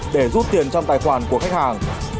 để rút tiền trong tài khoản của khách hàng